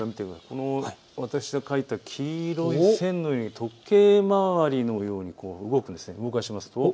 この私が描いた黄色い線のように時計回りのように動くんです。